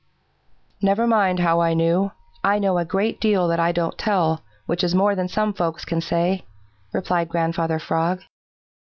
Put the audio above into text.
"Never mind how I knew. I know a great deal that I don't tell, which is more than some folks can say," replied Grandfather Frog.